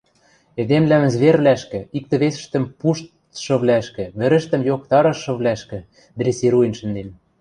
Эдемвлӓм зверьвлӓшкӹ, иктӹ-весӹштӹм пуштшывлӓшкӹ, вӹрӹштӹм йоктарышывлӓшкӹ дрессируен шӹнден...